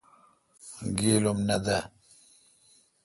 گیل ام نہ دہ۔